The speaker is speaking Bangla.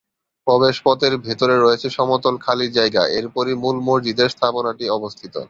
প্রবেশ পথ এর ভেতরে রয়েছে সমতল খালি জায়গা এরপরই মূল মসজিদের স্থাপনাটি অবস্থিত।